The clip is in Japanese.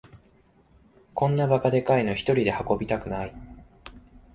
こんなバカでかいのひとりで運びたくない